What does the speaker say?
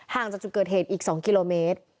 จากจุดเกิดเหตุอีก๒กิโลเมตร